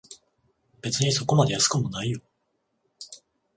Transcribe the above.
別にそこまで安くもないよ